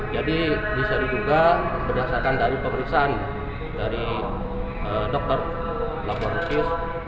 jadi bisa diduga berdasarkan dari pemeriksaan dari dokter laboratoris